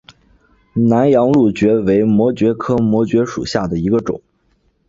南洋蕗蕨为膜蕨科膜蕨属下的一个种。